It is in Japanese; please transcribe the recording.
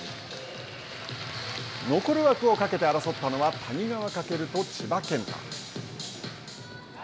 残る枠をかけて争ったのは谷川翔と千葉健太。